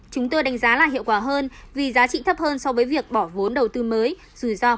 chúng tôi đánh giá là hiệu quả hơn vì giá trị thấp hơn so với việc bỏ vốn đầu tư mới dù do cũng thấp hơn